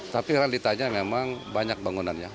tapi realitanya memang banyak bangunannya